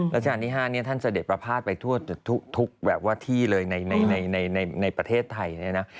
ราชการที่๕เนี่ยท่านเสด็จประพาทไปทั่วทุกแบบว่าที่เลยในประเทศไทยเนี่ยนะ